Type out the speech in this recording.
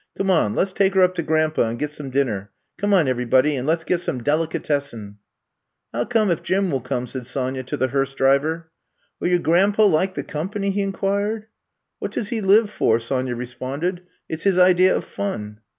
Come on, let 's take her up to Grandpa and get some din ner. Come on everybody and let 's get some delicatessen. ''I '11 come if Jim will come, '' said Sonya to the hearse driver. Will yer gran 'pa like the company?'* he inquired. What does he live fori" Sonya re sponded. '* It 's his idea of fun.